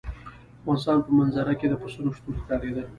د افغانستان په منظره کې د پسونو شتون ښکاره دی.